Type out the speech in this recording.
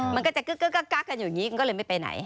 มันก็จะกึ๊กกักกันอยู่อย่างนี้ก็เลยไม่ไปไหน